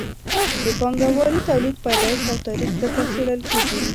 د پانګوالي تولید پیدایښت او تاریخ دلته څیړل کیږي.